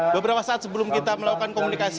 beberapa saat sebelum kita melakukan komunikasi